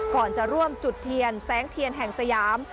ก่อนจะร่วมจุดเทียนแสงเทียนแห่งสยาม